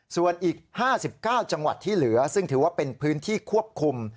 ส่วนอีก๕๙จังหวัดที่เหลือซึ่งถือว่าเป็นพื้นที่ควบคุม